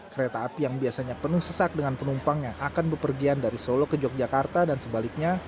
kereta api yang biasanya penuh sesak dengan penumpang yang akan berpergian dari solo ke yogyakarta dan sebaliknya